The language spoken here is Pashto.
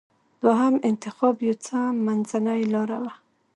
دوهم انتخاب یو څه منځۍ لاره وه.